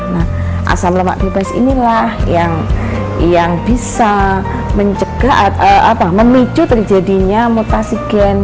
nah asam lemak bebas inilah yang bisa mencegah atau memicu terjadinya mutasi gen